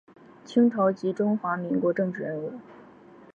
清朝及中华民国政治人物。